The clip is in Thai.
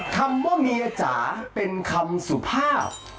คำว่าเมียจ๋าเป็นคำสุภาพ